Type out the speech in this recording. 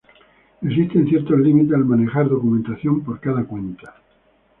Existen ciertos límites al manejar documentos por cada cuenta.